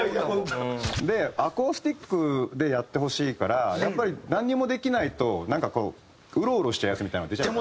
アコースティックでやってほしいからやっぱりなんにもできないとなんかこうウロウロしちゃうヤツみたいなのが出ちゃうから。